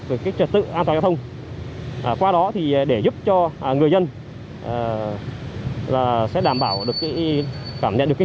được các trật tự an toàn không qua đó thì để giúp cho người dân là sẽ đảm bảo được cảm nhận được cái